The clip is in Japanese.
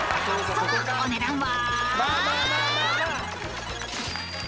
［そのお値段は］